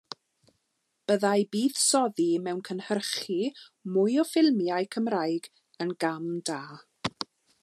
Byddai buddsoddi mewn cynhyrchu mwy o ffilmiau Cymraeg yn gam da.